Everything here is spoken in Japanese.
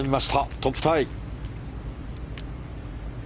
トップタイ。